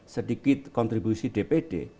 sedikit kontribusi dprs